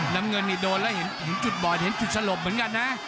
น้ำเงินนี่โดนแล้วเห็นจุดบอดเห็นจุดสลบเหมือนกันนะ